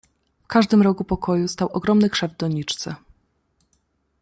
"W każdym rogu pokoju stał ogromny krzew w doniczce."